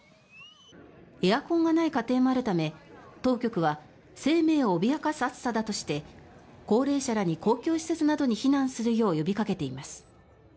エアコンがない家庭もあるため当局は生命を脅かす暑さだとして高齢者らに公共施設に避難するよう呼びかけています。